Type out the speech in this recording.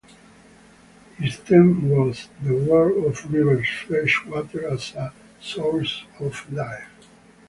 Its theme was "The World of Rivers-Fresh Waters as a Source of Life".